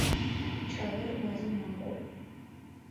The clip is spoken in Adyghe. Кӏалэр мэзым макӏо.